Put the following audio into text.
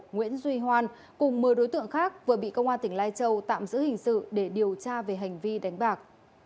nguyễn duy hoan cùng một mươi đối tượng khác vừa bị công an tỉnh lai châu tạm giữ hình sự để điều tra về hành vi đánh bạc